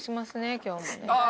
今日もね。